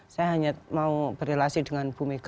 saya hanya mau berrelasi dengan bu mega